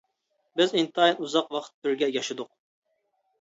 بىز ئىنتايىن ئۇزاق ۋاقىت بىرگە ياشىدۇق.